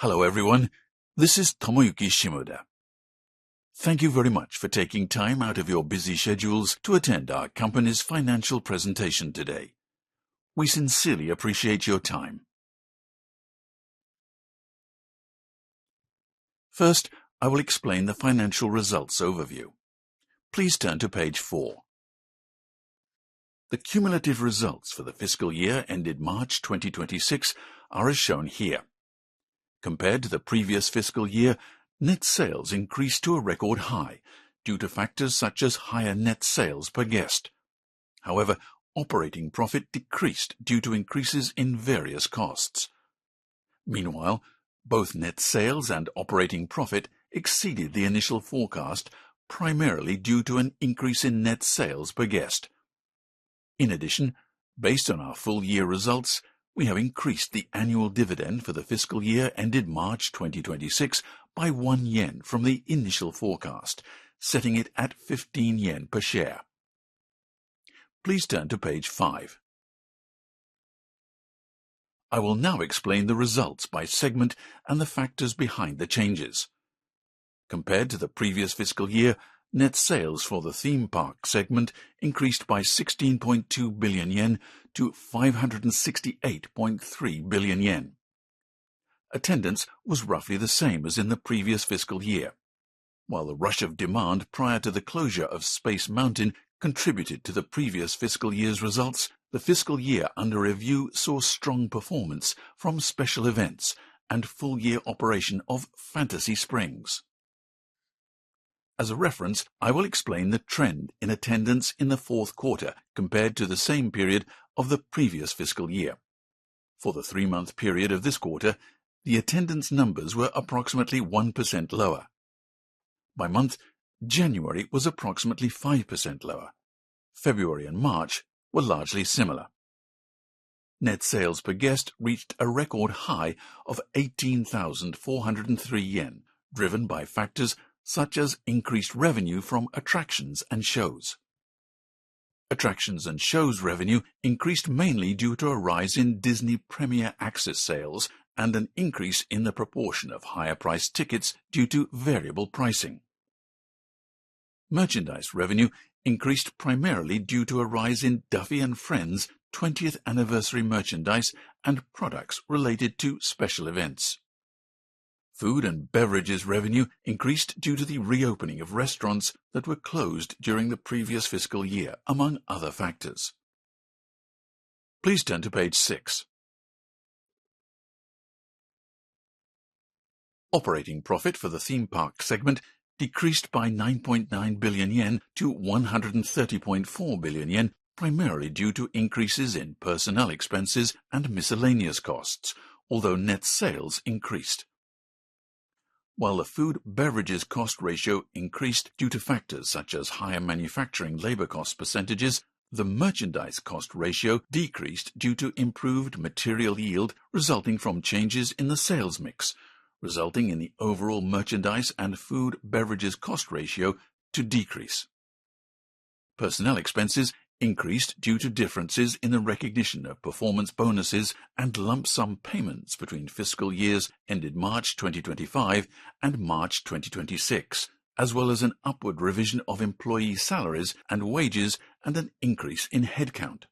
Hello, everyone. This is Tomoyuki Shimoda. Thank you very much for taking time out of your busy schedules to attend our company's financial presentation today. We sincerely appreciate your time. First, I will explain the financial results overview. Please turn to page four. The cumulative results for the fiscal year ended March 2026 are as shown here. Compared to the previous fiscal year, net sales increased to a record high due to factors such as higher net sales per guest. However, operating profit decreased due to increases in various costs. Meanwhile, both net sales and operating profit exceeded the initial forecast, primarily due to an increase in net sales per guest. In addition, based on our full-year results, we have increased the annual dividend for the fiscal year ended March 2026 by 1 yen from the initial forecast, setting it at 15 yen per share. Please turn to page five. I will now explain the results by segment and the factors behind the changes. Compared to the previous fiscal year, net sales for the theme park segment increased by 16.2 billion yen to 568.3 billion yen. Attendance was roughly the same as in the previous fiscal year. While the rush of demand prior to the closure of Space Mountain contributed to the previous fiscal year's results, the fiscal year under review saw strong performance from special events and full-year operation of Fantasy Springs. As a reference, I will explain the trend in attendance in the fourth quarter compared to the same period of the previous fiscal year. For the three-month period of this quarter, the attendance numbers were approximately 1% lower. By month, January was approximately 5% lower. February and March were largely similar. Net sales per guest reached a record high of 18,403 yen, driven by factors such as increased revenue from attractions and shows. Attractions and shows revenue increased mainly due to a rise in Disney Premier Access sales and an increase in the proportion of higher-priced tickets due to variable pricing. Merchandise revenue increased primarily due to a rise in Duffy and Friends' 20th anniversary merchandise and products related to special events. Food and beverages revenue increased due to the reopening of restaurants that were closed during the previous fiscal year, among other factors. Please turn to page six. Operating profit for the theme park segment decreased by 9.9 billion yen to 130.4 billion yen, primarily due to increases in personnel expenses and miscellaneous costs, although net sales increased. While the food beverages cost ratio increased due to factors such as higher manufacturing labor cost percentages, the merchandise cost ratio decreased due to improved material yield resulting from changes in the sales mix, resulting in the overall merchandise and food beverages cost ratio to decrease. Personnel expenses increased due to differences in the recognition of performance bonuses and lump sum payments between fiscal years ended March 2025 and March 2026, as well as an upward revision of employee salaries and wages and an increase in headcount.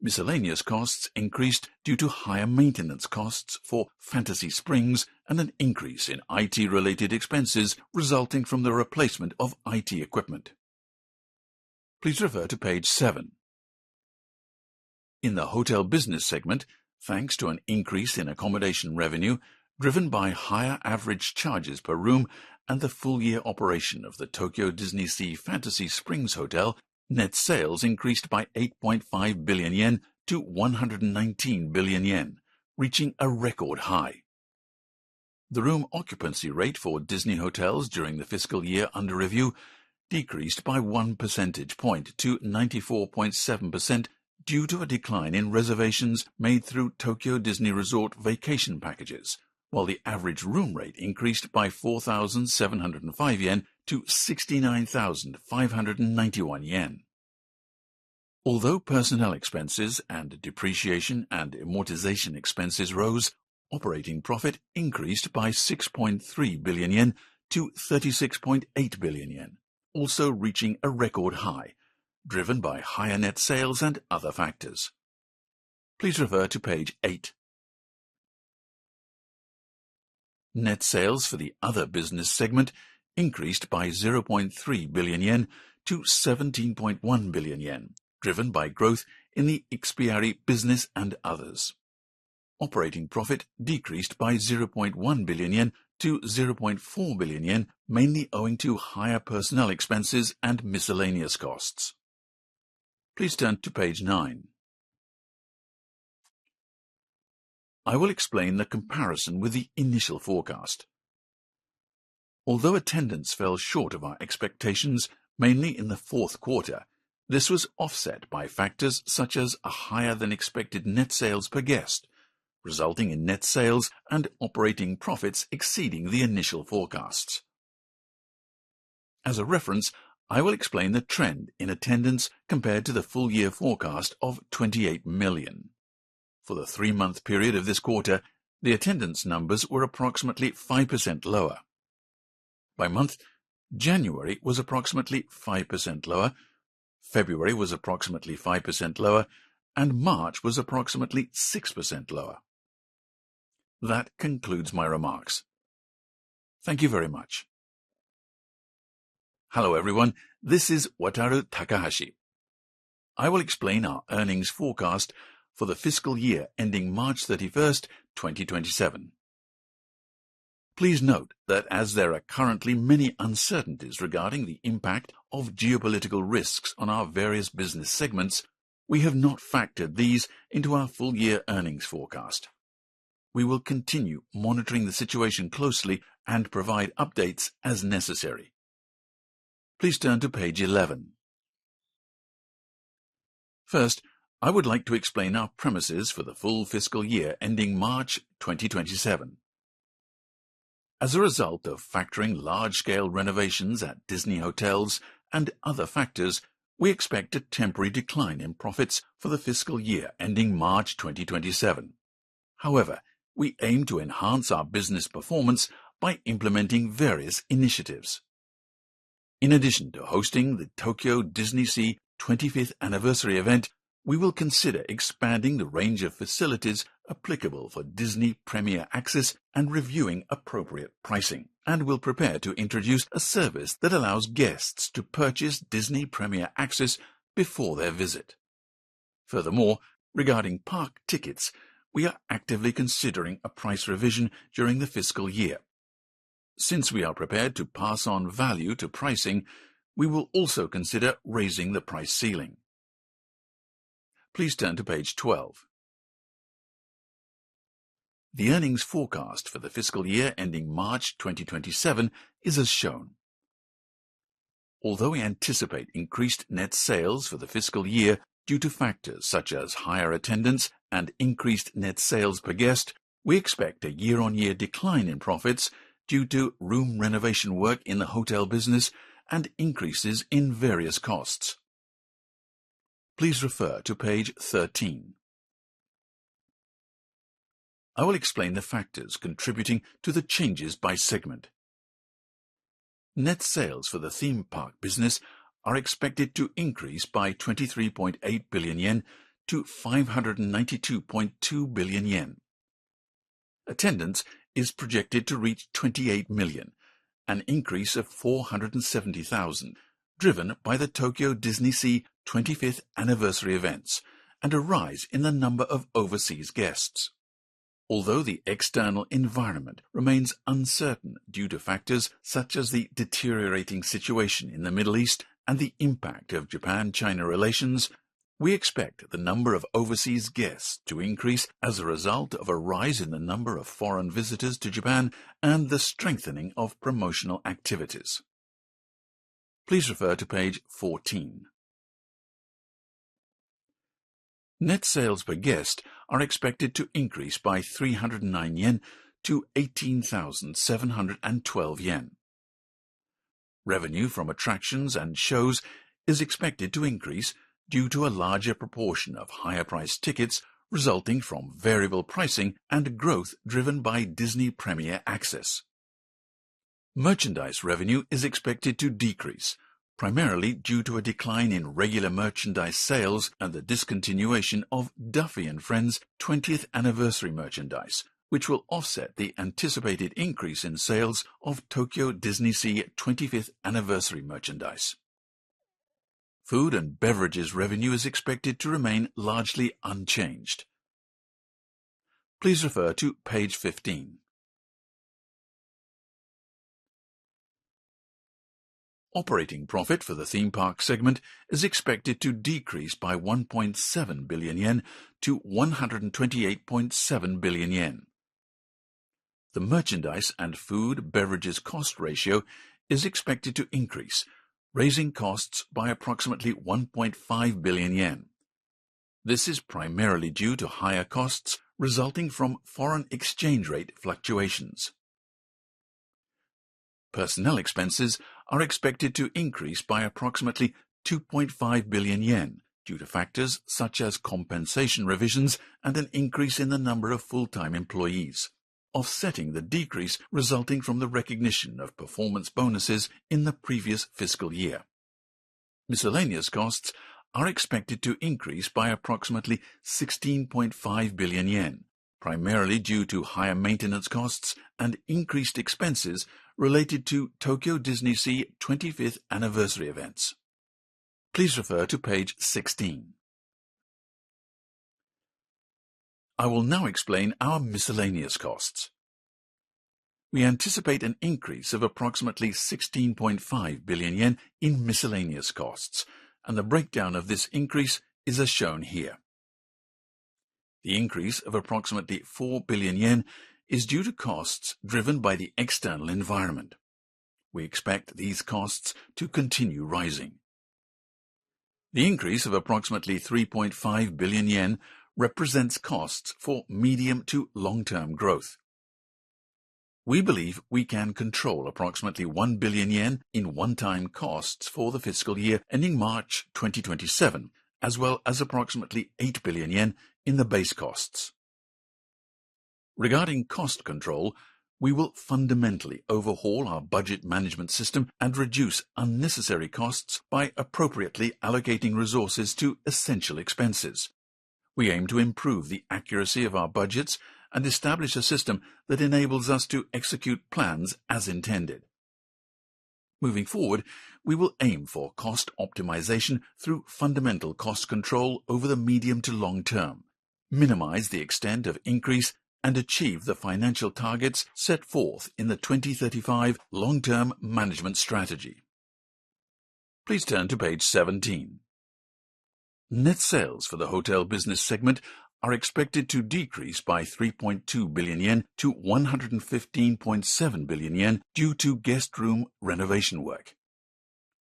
Miscellaneous costs increased due to higher maintenance costs for Fantasy Springs and an increase in IT related expenses resulting from the replacement of IT equipment. Please refer to page seven. In the hotel business segment, thanks to an increase in accommodation revenue driven by higher average charges per room and the full-year operation of the Tokyo DisneySea Fantasy Springs Hotel, net sales increased by 8.5 billion yen to 119 billion yen, reaching a record high. The room occupancy rate for Disney hotels during the fiscal year under review decreased by 1 percentage point to 94.7% due to a decline in reservations made through Tokyo Disney Resort Vacation Packages, while the average room rate increased by 4,705 yen to 69,591 yen. Although personnel expenses and depreciation and amortization expenses rose, operating profit increased by 6.3 billion yen to 36.8 billion yen, also reaching a record high driven by higher net sales and other factors. Please refer to page eight. Net sales for the other business segment increased by 0.3 billion yen to 17.1 billion yen, driven by growth in the Ikspiari business and others. Operating profit decreased by 0.1 billion yen to 0.4 billion yen, mainly owing to higher personnel expenses and miscellaneous costs. Please turn to page nine. I will explain the comparison with the initial forecast. Although attendance fell short of our expectations, mainly in the fourth quarter, this was offset by factors such as a higher-than-expected net sales per guest, resulting in net sales and operating profits exceeding the initial forecasts. As a reference, I will explain the trend in attendance compared to the full year forecast of 28 million. For the three-month period of this quarter, the attendance numbers were approximately 5% lower. By month, January was approximately 5% lower, February was approximately 5% lower, and March was approximately 6% lower. That concludes my remarks. Thank you very much. Hello, everyone. This is Wataru Takahashi. I will explain our earnings forecast for the fiscal year ending March 31st, 2027. Please note that as there are currently many uncertainties regarding the impact of geopolitical risks on our various business segments, we have not factored these into our full year earnings forecast. We will continue monitoring the situation closely and provide updates as necessary. Please turn to page 11. First, I would like to explain our premises for the full fiscal year ending March 2027. As a result of factoring large scale renovations at Disney hotels and other factors, we expect a temporary decline in profits for the fiscal year ending March 2027. However, we aim to enhance our business performance by implementing various initiatives. In addition to hosting the Tokyo DisneySea 25th anniversary event, we will consider expanding the range of facilities applicable for Disney Premier Access and reviewing appropriate pricing, and will prepare to introduce a service that allows guests to purchase Disney Premier Access before their visit. Furthermore, regarding park tickets, we are actively considering a price revision during the fiscal year. Since we are prepared to pass on value to pricing, we will also consider raising the price ceiling. Please turn to page 12. The earnings forecast for the fiscal year ending March 2027 is as shown. Although we anticipate increased net sales for the fiscal year due to factors such as higher attendance and increased net sales per guest, we expect a year-on-year decline in profits due to room renovation work in the hotel business and increases in various costs. Please refer to page 13. I will explain the factors contributing to the changes by segment. Net sales for the theme park business are expected to increase by 23.8 billion yen to 592.2 billion yen. Attendance is projected to reach 28 million, an increase of 470,000 driven by the Tokyo DisneySea 25th anniversary events and a rise in the number of overseas guests. Although the external environment remains uncertain due to factors such as the deteriorating situation in the Middle East and the impact of Japan-China relations, we expect the number of overseas guests to increase as a result of a rise in the number of foreign visitors to Japan and the strengthening of promotional activities. Please refer to page 14. net sales per guest are expected to increase by 309 yen to 18,712 yen. Revenue from attractions and shows is expected to increase due to a larger proportion of higher price tickets resulting from variable pricing and growth driven by Disney Premier Access. Merchandise revenue is expected to decrease primarily due to a decline in regular merchandise sales and the discontinuation of Duffy and Friends 20th anniversary merchandise, which will offset the anticipated increase in sales of Tokyo DisneySea 25th anniversary merchandise. Food and beverages revenue is expected to remain largely unchanged. Please refer to page 15. Operating profit for the theme park segment is expected to decrease by 1.7 billion yen to 128.7 billion yen. The merchandise and food beverages cost ratio is expected to increase, raising costs by approximately 1.5 billion yen. This is primarily due to higher costs resulting from foreign exchange rate fluctuations. Personnel expenses are expected to increase by approximately 2.5 billion yen due to factors such as compensation revisions and an increase in the number of full-time employees, offsetting the decrease resulting from the recognition of performance bonuses in the previous fiscal year. Miscellaneous costs are expected to increase by approximately 16.5 billion yen, primarily due to higher maintenance costs and increased expenses related to Tokyo DisneySea 25th anniversary events. Please refer to page 16. I will now explain our miscellaneous costs. We anticipate an increase of approximately 16.5 billion yen in miscellaneous costs, and the breakdown of this increase is as shown here. The increase of approximately 4 billion yen is due to costs driven by the external environment. We expect these costs to continue rising. The increase of approximately 3.5 billion yen represents costs for medium to long-term growth. We believe we can control approximately 1 billion yen in one-time costs for the fiscal year ending March 2027, as well as approximately 8 billion yen in the base costs. Regarding cost control, we will fundamentally overhaul our budget management system and reduce unnecessary costs by appropriately allocating resources to essential expenses. We aim to improve the accuracy of our budgets and establish a system that enables us to execute plans as intended. Moving forward, we will aim for cost optimization through fundamental cost control over the medium to long term, minimize the extent of increase, and achieve the financial targets set forth in the 2035 Long-term Management Strategy. Please turn to page 17. Net sales for the hotel business segment are expected to decrease by 3.2 billion yen to 115.7 billion yen due to guest room renovation work.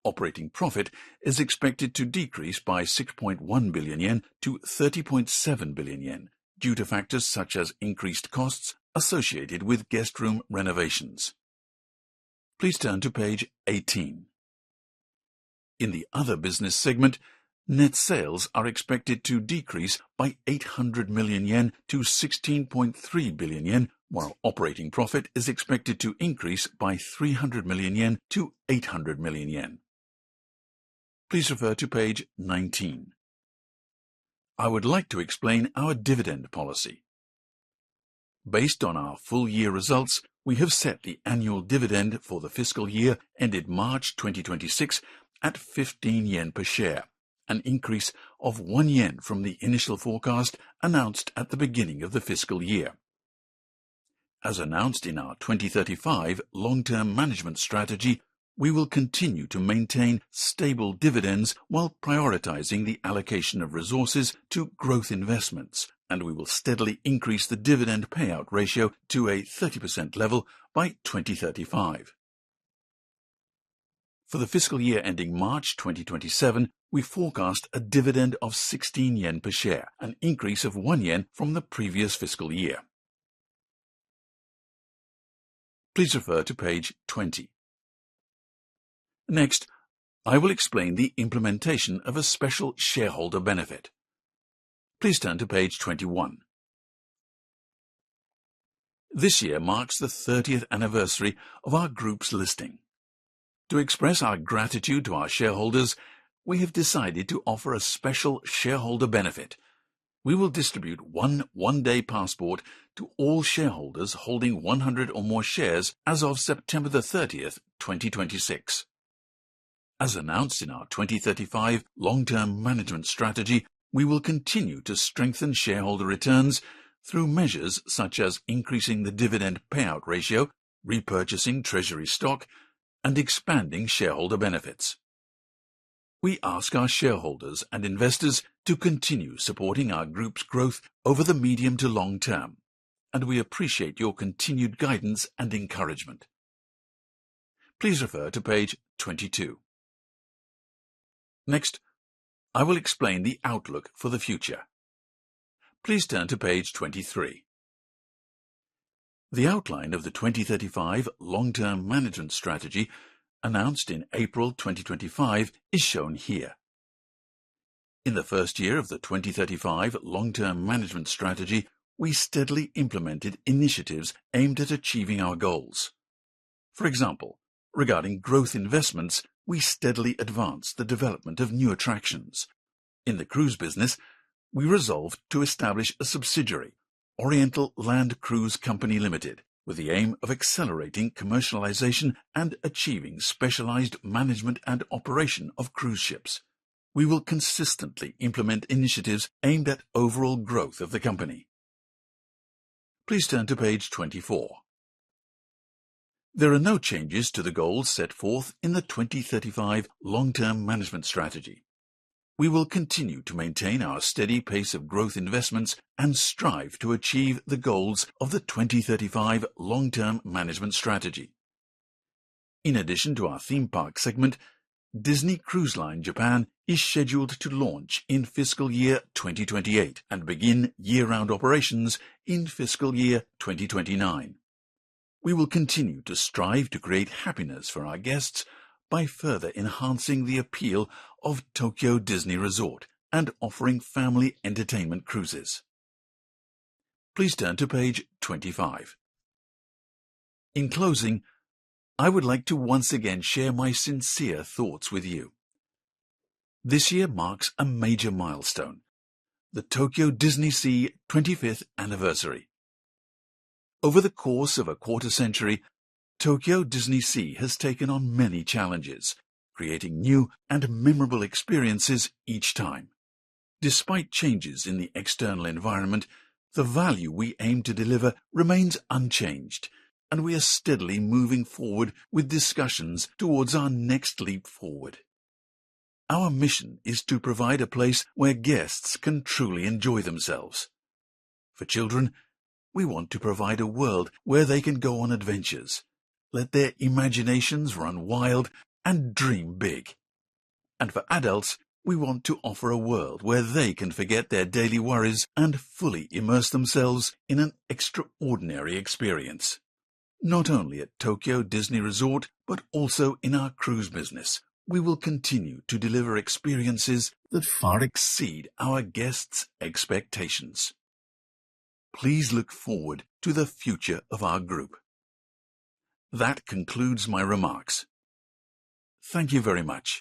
Operating profit is expected to decrease by 6.1 billion yen to 30.7 billion yen due to factors such as increased costs associated with guest room renovations. Please turn to page 18. In the other business segment, net sales are expected to decrease by 800 million yen to 16.3 billion yen, while operating profit is expected to increase by 300 million yen to 800 million yen. Please refer to page 19. I would like to explain our dividend policy. Based on our full year results, we have set the annual dividend for the fiscal year ended March 2026 at 15 yen per share, an increase of 1 yen from the initial forecast announced at the beginning of the fiscal year. As announced in our 2035 Long-term Management Strategy, we will continue to maintain stable dividends while prioritizing the allocation of resources to growth investments. We will steadily increase the dividend payout ratio to a 30% level by 2035. For the fiscal year ending March 2027, we forecast a dividend of 16 yen per share, an increase of 1 yen from the previous fiscal year. Please refer to page 20. Next I will explain the implementation of a special shareholder benefit. Please turn to page 21. This year marks the 30th anniversary of our group's listing. To express our gratitude to our shareholders, we have decided to offer a special shareholder benefit. We will distribute 1-Day Passport to all shareholders holding 100 or more shares as of September 30th, 2026. As announced in our 2035 Long-term Management Strategy, we will continue to strengthen shareholder returns through measures such as increasing the dividend payout ratio, repurchasing treasury stock, and expanding shareholder benefits. We ask our shareholders and investors to continue supporting our group's growth over the medium to long term, and we appreciate your continued guidance and encouragement. Please refer to page 22. Next, I will explain the outlook for the future. Please turn to page 23. The outline of the 2035 Long-term Management Strategy announced in April 2025 is shown here. In the first year of the 2035 Long-term Management Strategy, we steadily implemented initiatives aimed at achieving our goals. For example, regarding growth investments, we steadily advanced the development of new attractions. In the cruise business, we resolved to establish a subsidiary, ORIENTAL LAND CRUISE CO., LTD., with the aim of accelerating commercialization and achieving specialized management and operation of cruise ships. We will consistently implement initiatives aimed at overall growth of the company. Please turn to page 24. There are no changes to the goals set forth in the 2035 Long-term Management Strategy. We will continue to maintain our steady pace of growth investments and strive to achieve the goals of the 2035 Long-term Management Strategy. In addition to our theme park segment, Disney Cruise Line Japan is scheduled to launch in fiscal year 2028 and begin year-round operations in fiscal year 2029. We will continue to strive to create happiness for our guests by further enhancing the appeal of Tokyo Disney Resort and offering family entertainment cruises. Please turn to page 25. In closing, I would like to once again share my sincere thoughts with you. This year marks a major milestone, the Tokyo DisneySea 25th anniversary. Over the course of a quarter century, Tokyo DisneySea has taken on many challenges, creating new and memorable experiences each time. Despite changes in the external environment, the value we aim to deliver remains unchanged, and we are steadily moving forward with discussions towards our next leap forward. Our mission is to provide a place where guests can truly enjoy themselves. For children, we want to provide a world where they can go on adventures, let their imaginations run wild, and dream big. For adults, we want to offer a world where they can forget their daily worries and fully immerse themselves in an extraordinary experience. Not only at Tokyo Disney Resort, but also in our cruise business, we will continue to deliver experiences that far exceed our guests' expectations. Please look forward to the future of our group. That concludes my remarks. Thank you very much.